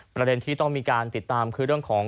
ประเด็นที่ต้องมีการติดตามคือเรื่องของ